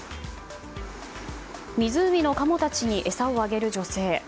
湖のカモたちに餌をあげる女性。